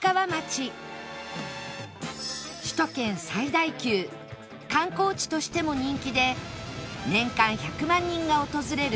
首都圏最大級観光地としても人気で年間１００万人が訪れる